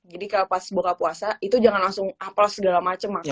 jadi kayak pas buka puasa itu jangan langsung hafal segala macem makan gitu